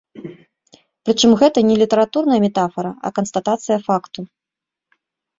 Прычым гэта не літаратурная метафара, а канстатацыя факту.